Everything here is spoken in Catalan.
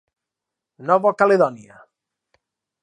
Nova Caledònia.